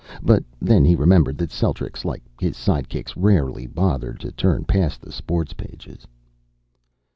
But then he remembered that Celtrics, like his sidekicks, rarely bothered to turn past the sports pages.